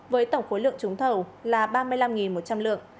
với tổng khối lượng trúng thầu là ba mươi năm một trăm linh lượng